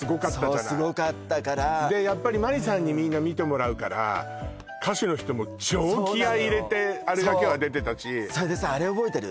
そうすごかったから真理さんにみんな見てもらうから歌手の人も超気合入れてあれだけは出てたしそれでさあれ覚えてる？